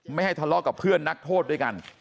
ไม่ให้ทะเลาะกับเพื่อนนักโทษด้วยกัน